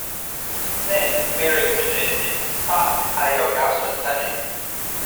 Then Merrick suggested Stark hire Garson Kanin.